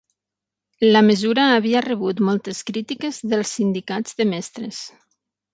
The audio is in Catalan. La mesura havia rebut moltes crítiques dels sindicats de mestres